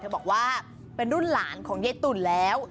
บอกว่าเป็นรุ่นหลานของยายตุ่นแล้ว